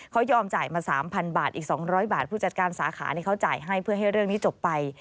เขายอมจ่ายมา๓๐๐บาทอีก๒๐๐บาทผู้จัดการสาขาเขาจ่ายให้เพื่อให้เรื่องนี้จบไป